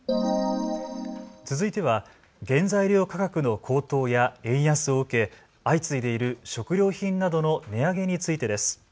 続いては原材料価格の高騰や円安を受け相次いでいる食料品などの値上げについてです。